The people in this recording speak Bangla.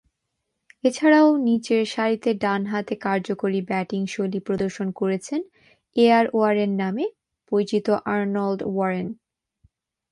এছাড়াও, নিচেরসারিতে ডানহাতে কার্যকরী ব্যাটিংশৈলী প্রদর্শন করেছেন এআর ওয়ারেন নামে পরিচিত আর্নল্ড ওয়ারেন।